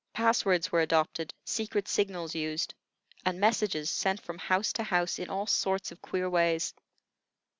Pass words were adopted, secret signals used, and messages sent from house to house in all sorts of queer ways.